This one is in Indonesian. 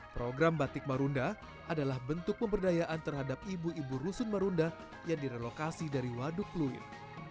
program batik marunda adalah bentuk pemberdayaan terhadap ibu ibu rusun marunda yang direlokasi dari waduk pluit